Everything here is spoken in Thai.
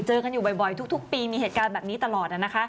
เจอกันอยู่บ่อยทุกปีมีเหตุการณ์แบบนี้ตลอด